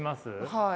はい。